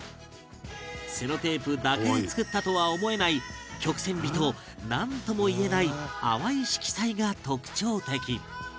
セロテープだけで作ったとは思えない曲線美となんともいえない淡い色彩が特徴的